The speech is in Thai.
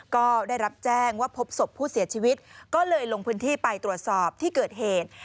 ก็ได้รับแจ้งว่าพบศพผู้เสียชีวิตก็เลยลงพื้นที่ไปตรวจสอบที่เกิดเหตุ